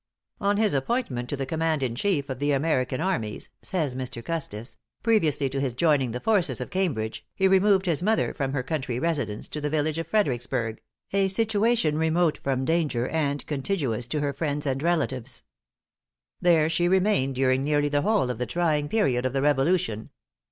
"On his appointment to the command in chief of the American armies," says Mr. Custis, "previously to his joining the forces at Cambridge, he removed his mother from her country residence, to the village of Fredericksburg, a situation remote from danger and contiguous to her friends and relatives. There she remained, during nearly the whole of the trying period of the Revolution.